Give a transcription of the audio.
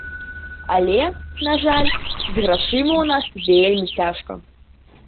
Але, на жаль, з грашыма ў нас вельмі цяжка.